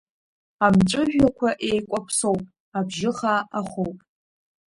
Амҵәыжәҩақәа еикәаԥсоуп, абжьы хаа ахоуп.